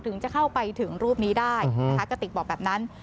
ถึงจะเข้าไปถึงรูปนี้ได้นะคะกระติกบอกแบบนั้น